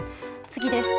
次です。